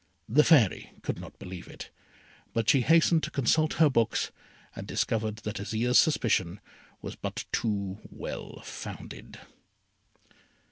The Fairy could not believe it; but she hastened to consult her books, and discovered that Azire's suspicion was but too well founded.